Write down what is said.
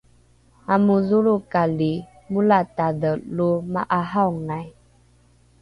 amodholrokali molatadhe lo ma’ahaongai?